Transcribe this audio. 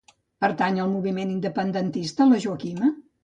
Pertany al moviment independentista la Joaquima?